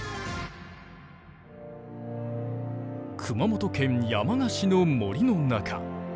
熊本県山鹿市の森の中。